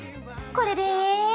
これで。